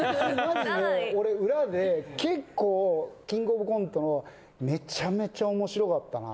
俺裏で結構『キングオブコント』のめちゃめちゃ面白かったな。